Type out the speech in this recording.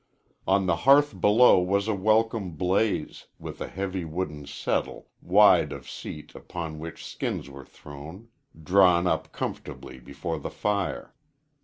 On the hearth below was a welcome blaze, with a heavy wooden settle, wide of seat, upon which skins were thrown, drawn up comfortably before the fire.